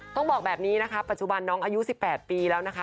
ต้องบอกแบบนี้นะคะปัจจุบันน้องอายุ๑๘ปีแล้วนะคะ